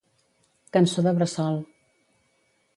Cançó De Bressol.